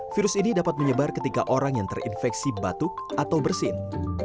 virus ini dapat menyebar ketika orang yang terinfeksi batuk atau bersin